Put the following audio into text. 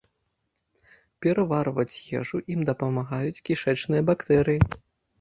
Пераварваць ежу ім дапамагаюць кішэчныя бактэрыі.